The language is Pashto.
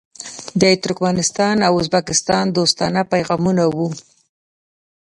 د ترکمنستان او ازبکستان دوستانه پیغامونه وو.